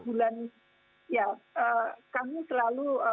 ya kami selalu